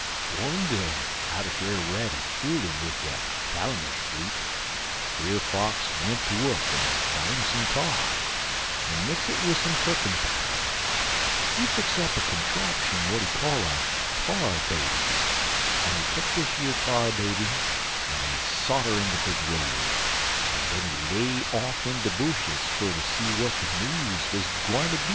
One day atter Brer Rabbit fool 'im wid dat calamus root, Brer Fox went ter wuk en got 'im some tar, en mix it wid some turkentime, en fix up a contrapshun w'at he call a Tar Baby, en he tuck dish yer Tar Baby en he sot 'er in de big road, en den he lay off in de bushes fer to see what de news wuz gwine ter be.